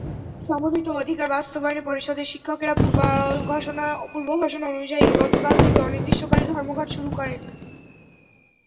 সমন্বিত অধিকার বাস্তবায়ন পরিষদের শিক্ষকেরা পূর্বঘোষণা অনুযায়ী গতকাল থেকে অনির্দিষ্টকালের ধর্মঘট শুরু করেন।